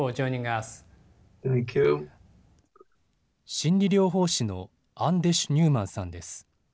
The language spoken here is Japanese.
心理療法士のアンデシュ・ニューマンさんです。